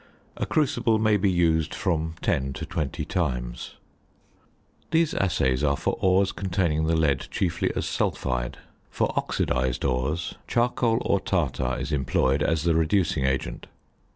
A crucible may be used from ten to twenty times. These assays are for ores containing the lead chiefly as sulphide. For oxidised ores, charcoal or tartar is employed as the reducing agent.